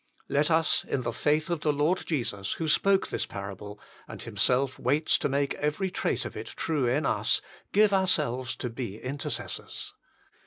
Let us in the faith of the Lord Jesus, who spake this parable, and Him self waits to make every trait of it true in us, give ourselves to be intercessors.